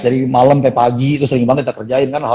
dari malam sampai pagi itu sering banget kita kerjain kan hal hal